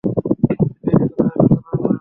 ভেবে দেখ তারা কত নোংরা!